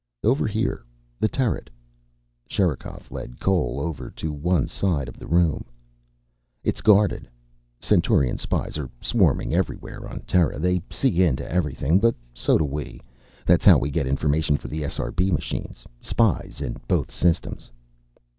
"Over here. The turret." Sherikov led Cole over to one side of the room. "It's guarded. Centauran spies are swarming everywhere on Terra. They see into everything. But so do we. That's how we get information for the SRB machines. Spies in both systems."